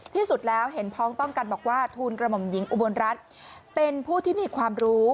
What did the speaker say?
ที่สุดแล้วเห็นพ้องต้องกันบอกว่าทูลกระหม่อมหญิงอุบลรัฐเป็นผู้ที่มีความรู้